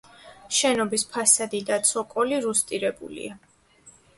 შენობის ფასადი და ცოკოლი რუსტირებულია.